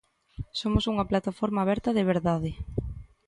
Somos unha plataforma aberta de verdade.